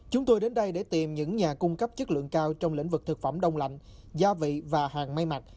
chúng tôi đến đây để tìm những nhà cung cấp chất lượng cao trong lĩnh vực thực phẩm đông lạnh gia vị và hàng may mặt